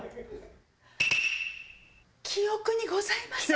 記憶にございません！